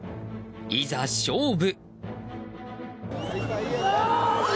いざ勝負！